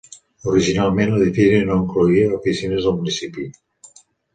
Originalment, l'edifici no incloïa oficines del municipi.